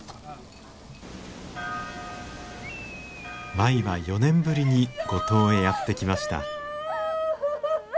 舞は４年ぶりに五島へやって来ました。